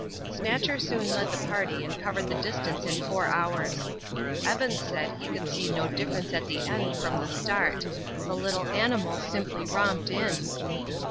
Snatcher soon led the party and covered the distance in four hours. Evans said he could see no difference at the end from the start the little animal simply romped in.